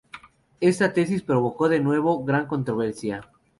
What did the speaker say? Esta tesis provocó de nuevo gran controversia.